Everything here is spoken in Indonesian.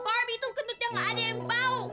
barbie tuh ketutnya nggak ada yang bau